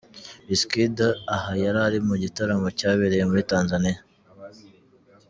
Wizkid aha yarari mu gitaramo cyabereye muri Tanzania.